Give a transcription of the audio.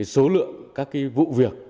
số lượng các vụ việc